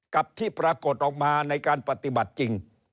กับที่ปรากฏออกมาในการปฏิบัติจริง